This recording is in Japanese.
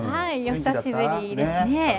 久しぶりですね。